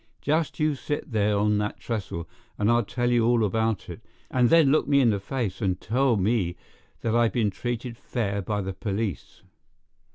Just you sit there on that trestle, and I'll tell you all about it, and then look me in the face and tell me that I've been treated fair by the police."